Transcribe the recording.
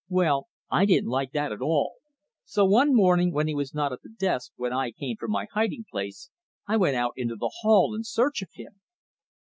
Well, I didn't like that at all, so one morning when he was not at the desk when I came from my hiding place, I went out into the hall in search of him.